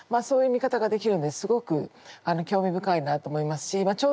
そういう見方ができるんですごく興味深いなあと思いますしま